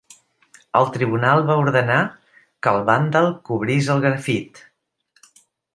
El tribunal va ordenar que el vàndal cobrís el grafit.